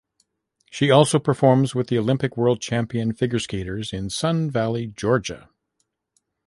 She also performs with the Olympic World Champion figure skaters in Sun Valley, Georgia.